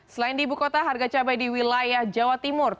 selain di ibu kota harga cabai di wilayah jawa timur